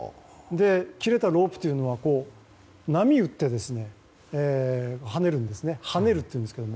切れたロープは波打って跳ねるんですね。